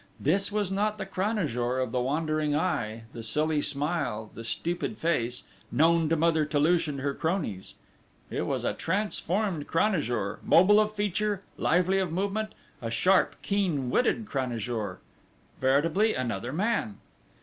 This was not the Cranajour of the wandering eye, the silly smile, the stupid face, known to Mother Toulouche and her cronies; it was a transformed Cranajour, mobile of feature, lively of movement, a sharp, keen witted Cranajour! Veritably another man!